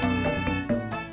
aku mau berbual